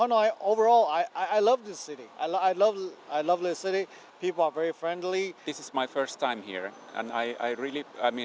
đây là lần đầu tiên tôi đến đây và tôi rất thích nó